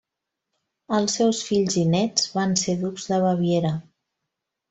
Els seus fills i néts van ser ducs de Baviera.